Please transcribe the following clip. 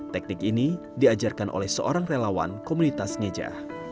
teknik ini diajarkan oleh seorang relawan komunitas ngeja